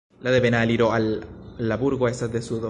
La devena aliro al la burgo estas de sudo.